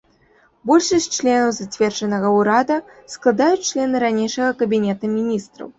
Большасць членаў зацверджанага ўрада складаюць члены ранейшага кабінета міністраў.